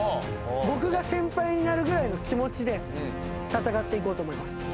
僕が先輩になるぐらいの気持ちで戦っていこうと思います。